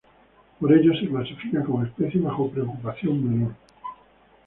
Por ello, se clasifica como especie bajo preocupación menor.